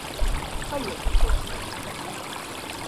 Hayır, bu çok saçma.